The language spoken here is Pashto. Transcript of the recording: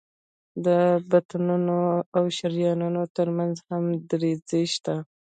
د بطنونو او شریانونو تر منځ هم دریڅې شته.